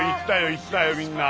行ったよみんな。